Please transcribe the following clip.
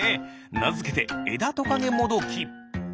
なづけてエダトカゲモドキ。